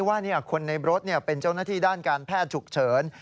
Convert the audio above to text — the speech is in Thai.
ว่าคนในรถเป็นเจ้าหน้าที่ด้านการแพทย์ฉุกเฉิน